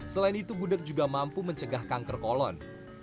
selain itu gudeg juga mampu mencegah kanker kolon